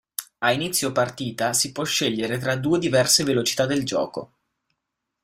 A inizio partita si può scegliere tra due diverse velocità del gioco.